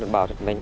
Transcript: bão thật mạnh